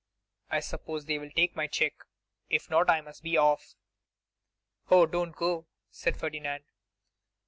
I suppose they will take my cheque. If not, I must be off.' 'Oh, do not go,' said Ferdinand.